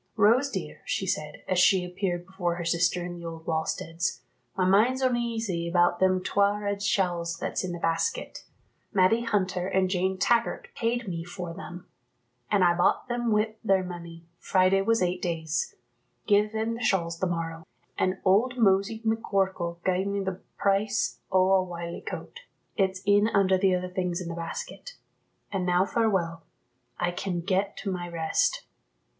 "Rose, dear," she said, as she appeared before her sister in the old wallsteads, "my mind's oneasy about them twa' red shawls that's in the basket. Matty Hunter and Jane Taggart paid me for them, an' I bought them wi' their money, Friday was eight days. Gie them the shawls the morrow. An' old Mosey McCorkell gied me the price o' a wiley coat; it's in under the other things in the basket. An' now farewell; I can get to my rest."